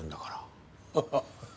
ハハッ。